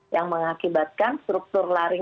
yang mengakibatkan struktur laring